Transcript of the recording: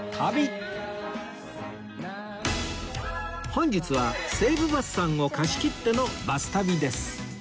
本日は西武バスさんを貸し切ってのバス旅です